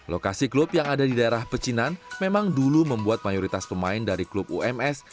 lokasi klub yang ada di daerah pecinan memang dulu membuat mayoritas pemain dari klub ums